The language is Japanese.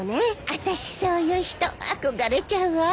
あたしそういう人憧れちゃうわ。